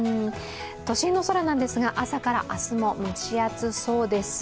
都心の空なんですが、朝から明日も蒸し暑そうです。